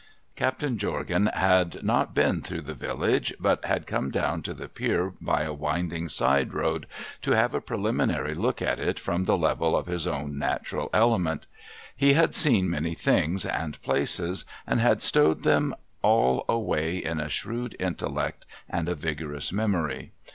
' Captain Jorgan had not been through the village, but had come down to the pier by a winding side road, to have a preliminary look at it from the level of his own natural element. He had seen many things and places, and had stowed them all away in a shrewd intellect and a vigorous memory.